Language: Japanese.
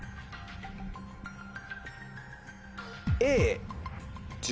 Ａ。